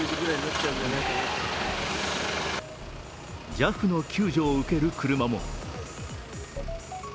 ＪＡＦの救助を受ける車も。